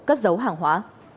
cất dấu hàng hóa